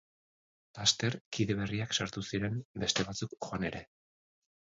Laster, kide berriak sartu ziren, beste batzuk joan ere.